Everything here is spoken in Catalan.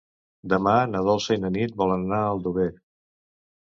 Demà na Dolça i na Nit volen anar a Aldover.